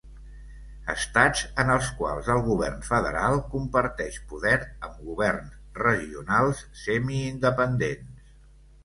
Estats en els quals el govern federal comparteix poder amb governs regionals semiindependents.